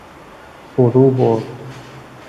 فرو برد